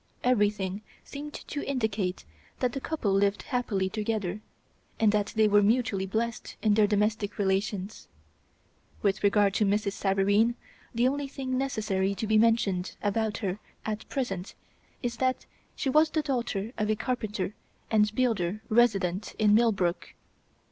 Everything seemed to indicate that the couple lived happily together, and that they were mutually blessed in their domestic relations. With regard to Mrs. Savareen, the only thing necessary to be mentioned about her at present is that she was the daughter of a carpenter and builder resident in Millbrook.